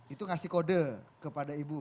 itu ngasih kode kepada ibu